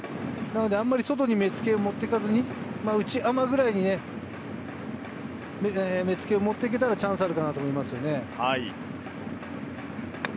なのであまり外に目をつけて持っていかずに目つけを持っていけたらチャンスがあるかなと思いますね。